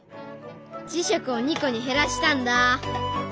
磁石を２個に減らしたんだ。